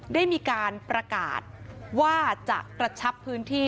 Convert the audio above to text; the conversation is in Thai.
ได้มีการประกาศว่าจะกระชับพื้นที่